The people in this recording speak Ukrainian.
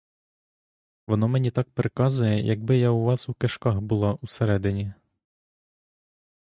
Воно мені так проказує, якби я у вас у кишках була усередині.